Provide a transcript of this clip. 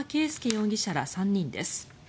容疑者ら３人です。